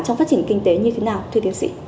trong phát triển kinh tế như thế nào thưa tiến sĩ